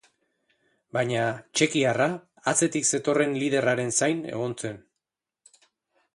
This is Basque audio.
Baina txekiarra atzetik zetorren liderraren zain egon zen.